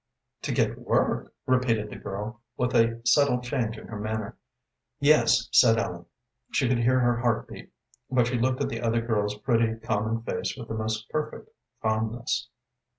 "To get work?" repeated the girl, with a subtle change in her manner. "Yes," said Ellen. She could hear her heart beat, but she looked at the other girl's pretty, common face with the most perfect calmness.